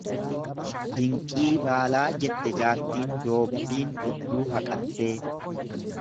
Dinqii baalaa jette jaartiin doobbiin hudduu haqattee.